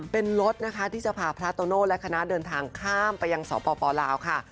เป็นรถนะคะที่จะพาพระโตโน่และคณะเดินทางข้ามไปยังสปลาวค่ะ